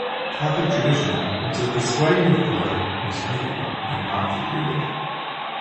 Catholic tradition holds that the sweating of blood was literal and not figurative.